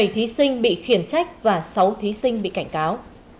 bảy thí sinh bị khiển trách và sáu thí sinh bị cảnh cáo